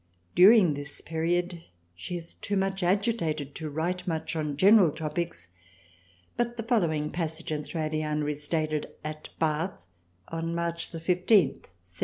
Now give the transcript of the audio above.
During this period she is too much agitated to write much on general topics but the following passage in Thra liana is dated at Bath on March 15th 1784.